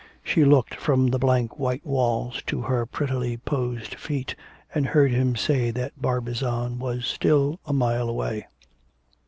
She looked from the blank white walls to her prettily posed feet and heard him say that Barbizon was still a mile away.